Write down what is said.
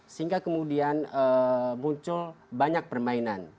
sehingga kemudian muncul banyak permainan